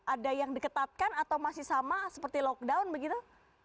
ada yang diketatkan atau masih sama seperti lockdown begitu